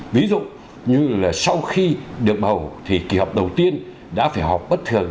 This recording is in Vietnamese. ví dụ như là sau khi được bầu thì kỳ họp đầu tiên đã phải họp bất thường